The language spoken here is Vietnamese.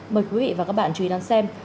mời quý vị và các bạn chú ý đón xem